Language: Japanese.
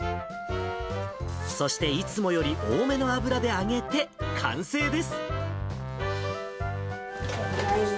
そしていつもより多めの油で揚げて完成です。